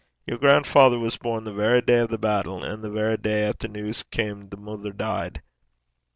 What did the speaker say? Yer grandfather was born the verra day o' the battle, and the verra day 'at the news cam, the mother deed.